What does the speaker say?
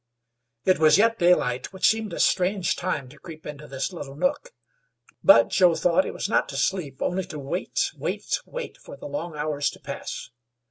It was yet daylight, which seemed a strange time to creep into this little nook; but, Joe thought, it was not to sleep, only to wait, wait, wait for the long hours to pass.